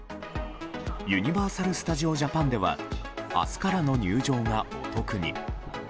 ユニバーサル・スタジオ・ジャパンでは明日からの入場がお得に。